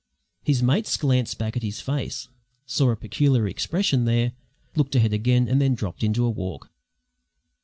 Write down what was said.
His mates glanced back at his face, saw a peculiar expression there, looked ahead again, and then dropped into a walk.